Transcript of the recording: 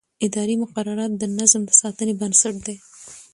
اداري مقررات د نظم د ساتنې بنسټ دي.